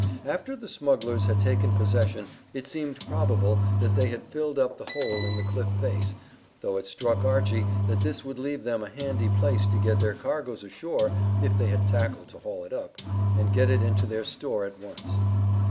After the smugglers had taken possession it seemed probable that they had filled up the hole in the cliff face, though it struck Archy that this would leave them a handy place to get their cargoes ashore if they had tackle to haul it up, and get it into their store at once.